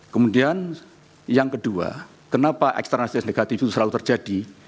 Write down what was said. kemudian yang kedua kenapa eksternati yang negatif itu selalu terjadi